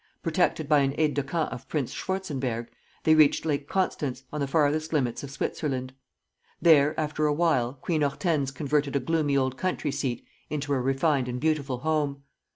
Protected by an aide de camp of Prince Schwartzenberg, they reached Lake Constance, on the farthest limits of Switzerland. There, after a while, Queen Hortense converted a gloomy old country seat into a refined and beautiful home.